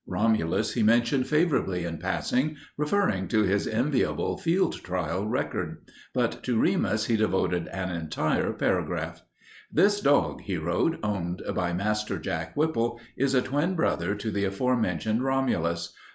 Romulus he mentioned favorably in passing, referring to his enviable field trial record. But to Remus he devoted an entire paragraph. "This dog," he wrote, "owned by Master Jack Whipple, is a twin brother to the afore mentioned Romulus.